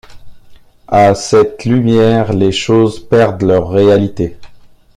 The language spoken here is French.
À cette lumière, les choses perdent leur réalité.